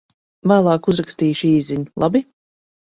Vēlāk uzrakstīšu īsziņu, labi?